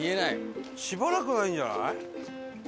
しばらくないんじゃない？